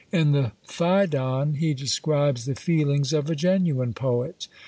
In the Phædon he describes the feelings of a genuine Poet.